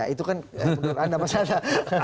itu kan benar anda mas yana